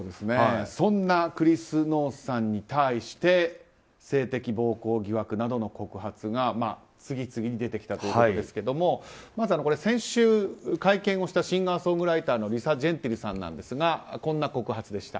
そんなクリス・ノースさんに対して性的暴行疑惑などの告発が次々に出てきたということですがまず先週、会見をしたシンガーソングライターのリサ・ジェンティルさんですがこんな告発でした。